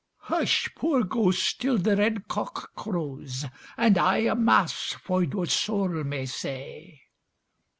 "Hush, poor ghost, till the red cock crows, And I a Mass for your soul may say."